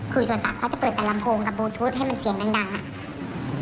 เขาจะเปิดแต่ลำโพงกับบูทูธให้มันเสียงดังดังอ่ะ